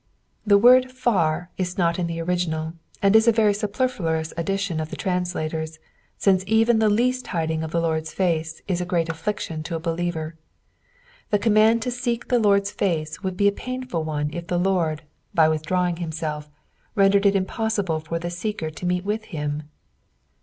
The word "/ar" is not in the original, and is a very superfluous sdditioa of the translators, since even the least biding of the Lord'sface is a great afiltcUon to a believer. The command to seek the Lord'sface would be a painful one if the Lord, by withdrawing himself, rendered PSALU THE TWENTT SEVENTH. 5 it impoesible for the Beeker to me«t with him.